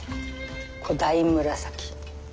古代紫。